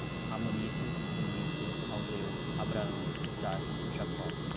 Amonitas, Fenícia, caldeu, Abraão, Isaac, Jacó